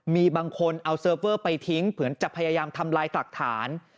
มีบางคนเอาเซิร์ฟเวอร์ไปทิ้งเหมือนจะพยายามทำลายหลักฐาน